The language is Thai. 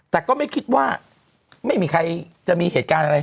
แต่ก็ไม่คิดว่าไม่มีใครจะมีเหตุการณ์อะไร